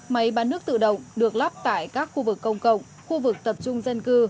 máy bán nước tự động được lắp tại các khu vực công cộng khu vực tập trung dân cư